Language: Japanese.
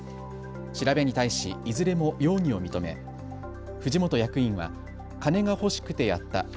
調べに対しいずれも容疑を認め藤本役員は金が欲しくてやった。